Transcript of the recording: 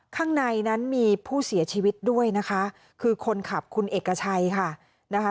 ข้างในนั้นมีผู้เสียชีวิตด้วยนะคะคือคนขับคุณเอกชัยค่ะนะคะ